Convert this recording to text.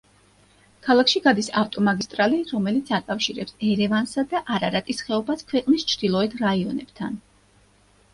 ქალაქში გადის ავტომაგისტრალი, რომელიც აკავშირებს ერევანსა და არარატის ხეობას ქვეყნის ჩრდილოეთ რაიონებთან.